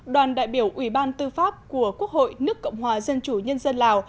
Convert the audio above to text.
đoàn đại biểu ủy ban tư pháp của quốc hội nước cộng hòa dân chủ nhân dân lào